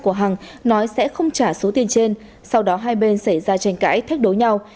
của hằng nói sẽ không trả số tiền trên sau đó hai bên xảy ra tranh cãi thách đối nhau